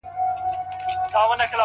وهر يو رگ ته يې د ميني کليمه وښايه-